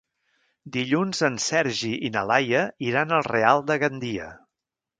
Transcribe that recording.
Dilluns en Sergi i na Laia iran al Real de Gandia.